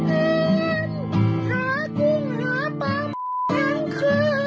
หากุงหาปังทั้งคืน